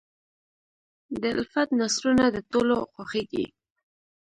د الفت نثرونه د ټولو خوښېږي.